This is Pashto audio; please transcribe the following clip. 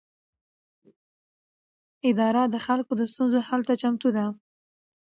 اداره د خلکو د ستونزو حل ته چمتو ده.